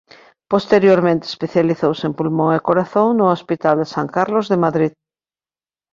Posteriormente especializouse en pulmón e corazón no Hospital de San Carlos de Madrid.